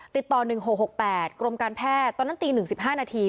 ติดต่อหนึ่งหกหกแปดกรมการแพทย์ตอนนั้นตีหนึ่งสิบห้านาที